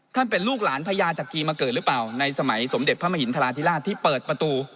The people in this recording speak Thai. เป็นลูกหลานพญาจักรีมาเกิดหรือเปล่าในสมัยสมเด็จพระมหินทราธิราชที่เปิดประตู